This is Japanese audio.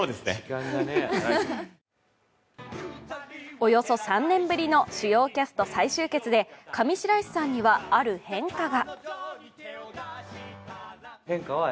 およそ３年ぶりの主要キャスト再集結で上白石さんには、ある変化が。